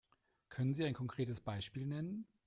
Können Sie ein konkretes Beispiel nennen?